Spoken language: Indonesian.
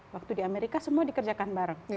waktu di amerika semua dikerjakan bareng